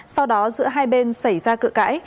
sau đó giữa hai bên xảy ra cự cãi